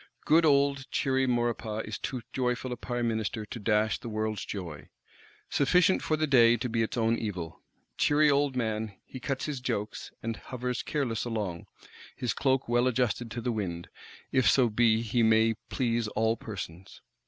Good old cheery Maurepas is too joyful a Prime Minister to dash the world's joy. Sufficient for the day be its own evil. Cheery old man, he cuts his jokes, and hovers careless along; his cloak well adjusted to the wind, if so be he may please all persons.